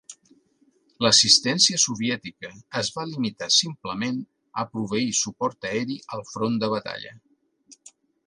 L'assistència soviètica es va limitar simplement a proveir suport aeri al front de batalla.